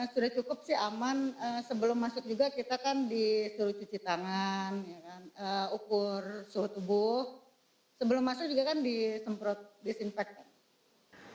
sudah cukup sih aman sebelum masuk juga kita kan disuruh cuci tangan ukur suhu tubuh sebelum masuk juga kan disemprot disinfektan